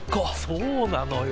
そうなのよ。